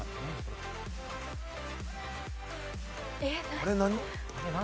これ何？